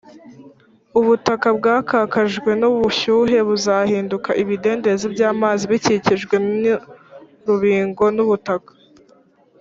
Ubutaka bwakakajwe n ubushyuhe buzahinduka ibidendezi by amazi bikikijwe n urubingo n ubutaka